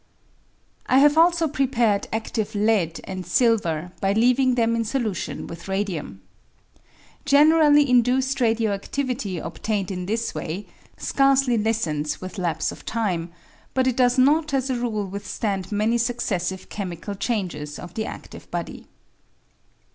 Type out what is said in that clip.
I have also prepared adive lead and silver by leaving them in solution with radium. Generally induced radio adivity obtained in this way scarcely lessens with lapse of time, but it does not as a rule withstand many successive chemical changes of the adive body.